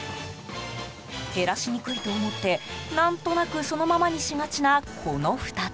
減らしにくいと思って、何となくそのままにしがちな、この２つ。